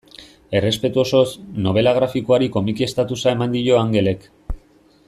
Errespetu osoz, nobela grafikoari komiki estatusa eman dio Angelek.